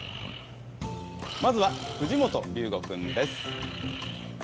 まずは藤本隆吾君です。